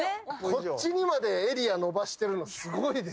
こっちにまでエリア延ばしてるのすごいです。